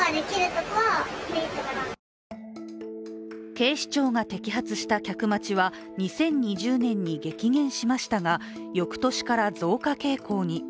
警視庁が摘発した客待ちは２０２０年に激減しましたが、翌年から増加傾向に。